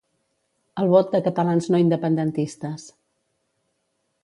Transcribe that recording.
El vot de catalans no independentistes.